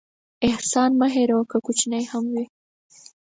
احسان مه هېروه، که کوچنی هم وي.